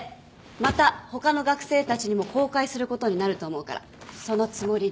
また他の学生たちにも公開することになると思うからそのつもりで。